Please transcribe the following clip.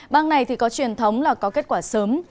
bang này có truyền thống là có kết quả sớm